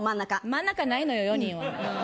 真ん中ないのよ、４人は。